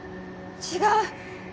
違う！